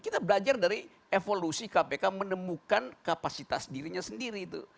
kita belajar dari evolusi kpk menemukan kapasitas dirinya sendiri itu